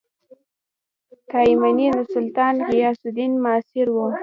تایمنى د سلطان غیاث الدین معاصر وو.